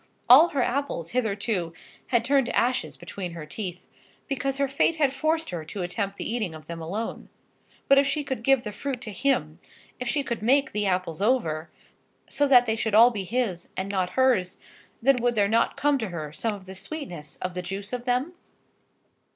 All her apples hitherto had turned to ashes between her teeth, because her fate had forced her to attempt the eating of them alone. But if she could give the fruit to him, if she could make the apples over, so that they should all be his, and not hers, then would there not come to her some of the sweetness of the juice of them?